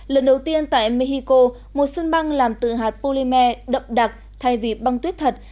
lần đầu tiên tại mexico một sân băng làm từ hạt polymer đậm đặc thay vì băng tuyết thật